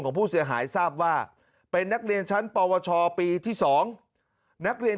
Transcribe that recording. ของผู้เสียหายทราบว่าเป็นนักเรียนชั้นปวชปีที่๒นักเรียน